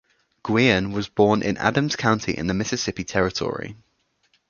Guion was born in Adams County in the Mississippi Territory.